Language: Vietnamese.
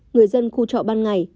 người dân khu trọ ban ngày